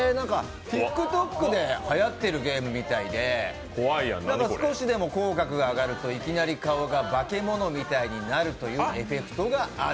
ＴｉｋＴｏｋではやってるゲームみたいで少しでも口角が上がると、いきなり顔がバケモノみたいになるというエフェクトがある。